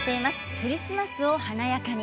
クリスマスを華やかに。